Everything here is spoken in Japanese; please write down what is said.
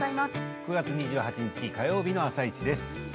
９月２８日火曜日の「あさイチ」です。